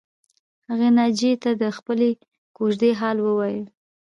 هغې ناجیې ته د خپلې کوژدې حال ووایه